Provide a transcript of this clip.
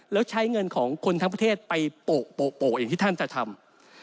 แล้วใช้เงินของคนทั้งประเทศไปโปะอย่างที่ท่านจะทำ